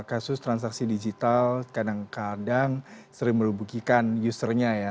kasus transaksi digital kadang kadang sering menghubungi user nya ya